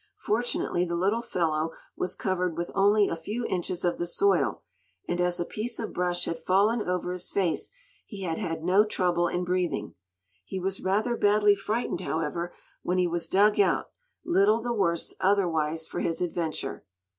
Fortunately the little fellow was covered with only a few inches of the soil, and as a piece of brush had fallen over his face, he had had no trouble in breathing. He was rather badly frightened, however, when he was dug out, little the worse, otherwise, for his adventure.